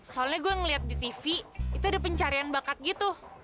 soalnya gue ngeliat di tv itu ada pencarian bakat gitu